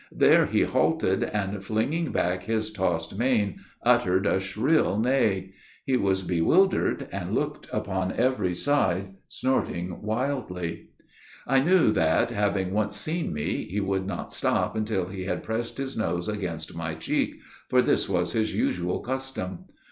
There he halted, and, flinging back his tossed mane, uttered a shrill neigh. He was bewildered, and looked upon every side, snorting loudly. I knew that, having once seen me, he would not stop until he had pressed his nose against my cheek for this was his usual custom.